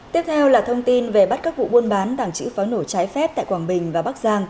tiếp theo là thông tin về bắt các vụ buôn bán đảng chữ phóng nổ trái phép tại quảng bình và bắc giang